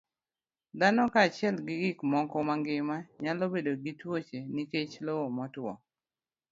Dhano kaachiel gi gik moko mangima nyalo bedo gi tuoche nikech lowo motwo.